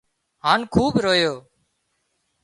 هانَ خوٻ رويو